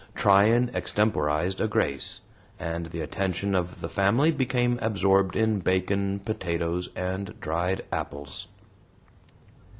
Tryan extemporized a grace, and the attention of the family became absorbed in bacon, potatoes, and dried apples.